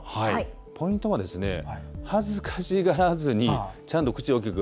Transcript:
ポイントはですね恥ずかしがらずにちゃんと口を大きく。